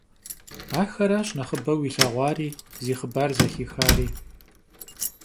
Ахэращ нэхъыбэу илъэгъуари, зи хъыбархэр зэхихари.